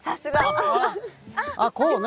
ああこうね。